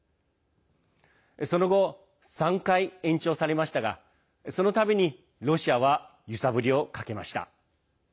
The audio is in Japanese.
その後、３回延長されましたがその度にロシアは揺さぶりをかけました。